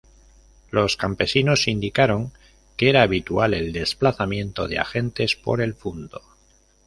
Los campesinos indicaron que era habitual el desplazamiento de agentes por el fundo.